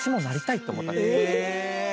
え！